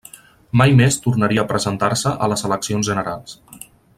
Mai més tornaria a presentar-se a les eleccions generals.